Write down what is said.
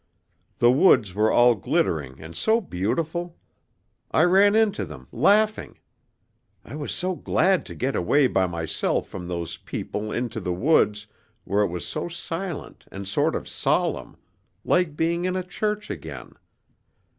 The woods were all glittering and so beautiful. I ran into them, laughing. I was so glad to get away by myself from those people into the woods where it was so silent and sort of solemn like being in a church again.